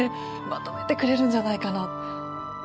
まとめてくれるんじゃないかな。